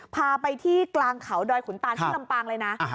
พาไปที่กลางเขาดอยขุนตานที่ลำปางเลยนะ